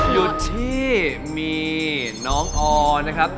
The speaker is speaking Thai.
อยู่ที่มีน้องออร์นะครับ